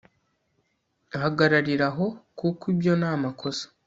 hagarariraho kuko ibyo ni amakosa